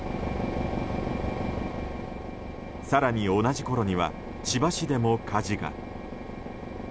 更に、同じころには千葉市でも火事が。